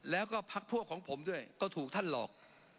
แล้วก็พักพวกของผมด้วยก็ถูกท่านหลอก